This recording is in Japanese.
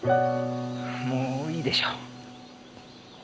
もういいでしょう。